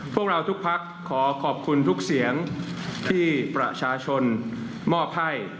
พวกเราทุกพักขอขอบคุณทุกเสียงที่ประชาชนมอบให้